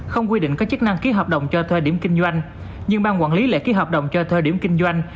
không quy định có chức năng ký hợp đồng cho thuê điểm kinh doanh nhưng ban quản lý lại ký hợp đồng cho thời điểm kinh doanh